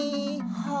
はあ。